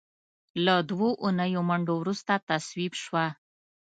له دوو اونیو منډو وروسته تصویب شوه.